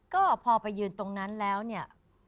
ก็พอไปยืนตรงนั้นแล้วเนี่ย